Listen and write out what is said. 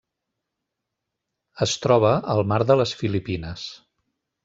Es troba al Mar de les Filipines.